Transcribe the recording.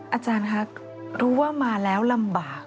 อาจารย์คะรู้ว่ามาแล้วลำบาก